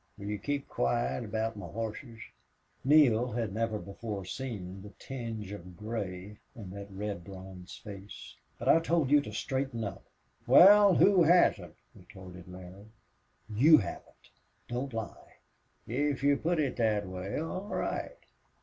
"Will you keep quiet aboot my hosses?" Neale had never before seen the tinge of gray in that red bronze face. "But I told you to straighten up!" "Wal, who hasn't?" retorted Larry. "You haven't! Don't lie." "If you put it thet way, all right.